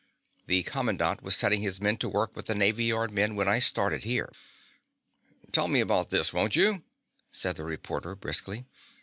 The commandant was setting his men to work with the navy yard men when I started here." "Tell me about this, won't you?" said the reporter briskly.